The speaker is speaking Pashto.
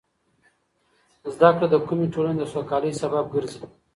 زده کړه د کومې ټولنې د سوکالۍ سبب ګرځي.